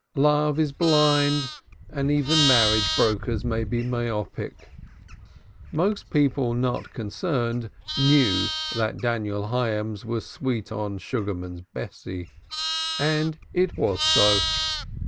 Love is blind, and even marriage brokers may be myopic. Most people not concerned knew that Daniel Hyams was "sweet on" Sugarman's Bessie. And it was so.